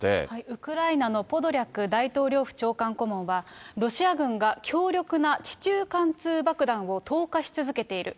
ウクライナのポドリャク大統領府長官顧問は、ロシア軍が強力な地中貫通爆弾を投下し続けている。